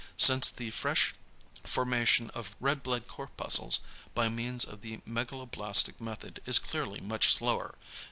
Since the fresh formation of red blood corpuscles by means of the megaloblastic method is clearly much slower.